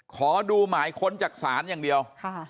ขอดูหมายค้นจากศาลอย่างเดียว